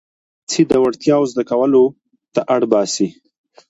دا تاسې د وړتیاوو زده کولو ته اړ باسي.